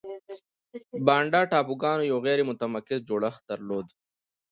بانډا ټاپوګانو یو غیر متمرکز جوړښت درلود.